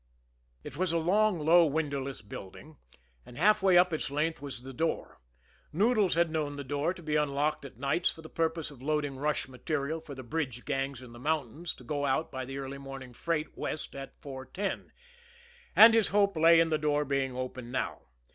It was a long, low, windowless building, and halfway up its length was the door Noodles had known the door to be unlocked at nights for the purpose of loading rush material for the bridge gangs in the mountains to go out by the early morning freight west at 4.10 and his hope lay in the door being open now.